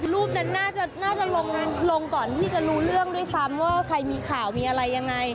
รูปนั้นน่าจะลงก่อนที่จะรู้เรื่องด้วยซ้ำว่าใครมีข่าวมีอะไรยังไง